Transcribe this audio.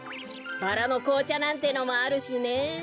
バラのこうちゃなんてのもあるしね。